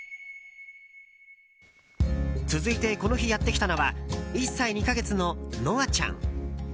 続いて、この日やってきたのは１歳２か月の、のあちゃん。